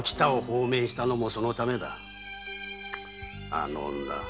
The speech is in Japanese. あの女